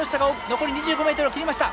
残り２５ｍを切りました。